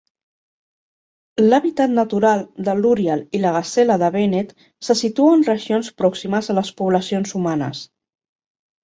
L'hàbitat natural de l'úrial i la gasela de Bennett se situa en regions pròximes a les poblacions humanes.